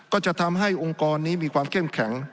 ก็จะทำให้องค์กรนี้มีความเข้มแข็ง